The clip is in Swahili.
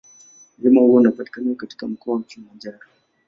Mlima huo unapatikana katika Mkoa wa Kilimanjaro.